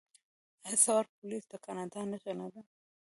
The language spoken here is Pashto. آیا سوار پولیس د کاناډا نښه نه ده؟